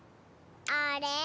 あれ？